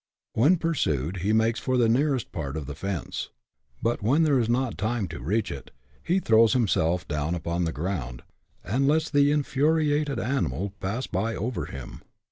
When pursued, he makes for the nearest part of the fence ; but when there is not time to reach it, he throws himself down upon the ground, and lets the infuriated animal pass by or over him.